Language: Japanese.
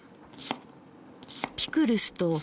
ピクルスと。